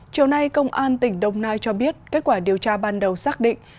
chiều nay công an tỉnh đồng nai cho biết kết quả điều tra ban đầu xác định